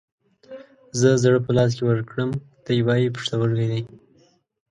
زه زړه په لاس کې ورکړم ، دى واي پښتورگى دى.